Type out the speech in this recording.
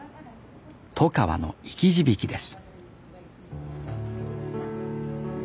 外川の生き字引です